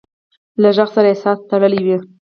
له غږ سره احساس تړلی وي.